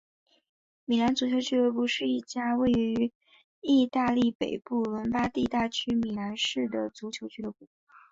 米兰足球俱乐部是一家位于义大利北部伦巴第大区米兰市的足球俱乐部。